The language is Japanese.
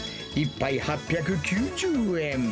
１杯８９０円。